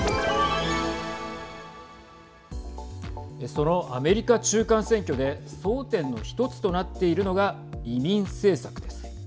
そのアメリカ中間選挙で争点の一つとなっているのが移民政策です。